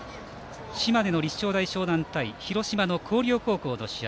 島根の立正大淞南と広島の広陵高校の試合。